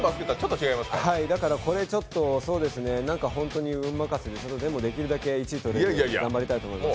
だからこれ、ホントに運任せで、でもできるだけ１位取れるように頑張りたいと思います。